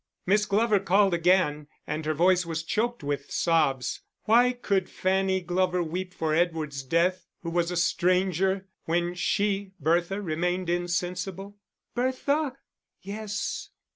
Miss Glover called again, and her voice was choked with sobs. Why could Fanny Glover weep for Edward's death, who was a stranger, when she, Bertha, remained insensible? "Bertha!" "Yes."